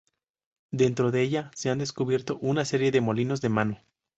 Dentro de ella se han descubierto una serie de molinos de mano.